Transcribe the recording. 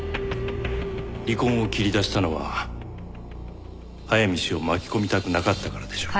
離婚を切り出したのは早見氏を巻き込みたくなかったからでしょう。